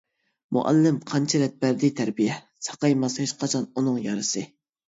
مۇئەللىم قانچە رەت بەردى تەربىيە، ساقايماس ھېچقاچان ئۇنىڭ يارىسى.